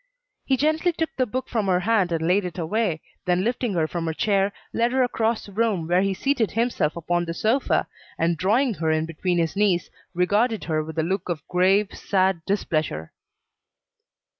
He gently took the book from her hand and laid it away, then, lifting her from the chair, led her across the room, where he seated himself upon the sofa, and drawing her in between his knees, regarded her with a look of grave, sad displeasure.